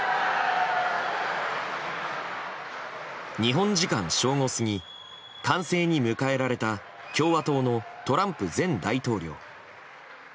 日本時間正午過ぎ歓声に迎えられた共和党のトランプ前大統領。